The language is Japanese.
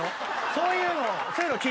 そういうの。